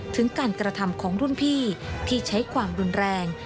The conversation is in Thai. ถึงการกระทำของรุ่นพี่ที่ใช้ความรุนแรง